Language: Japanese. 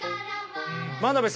真鍋さん